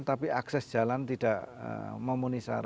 tapi akses jalan tidak memunisara